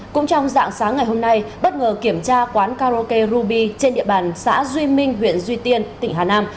cũng trong dạng sáng ngày hôm nay bất ngờ kiểm tra quán karaoke ruby trên địa bàn xã duy minh huyện duy tiên tỉnh hà nam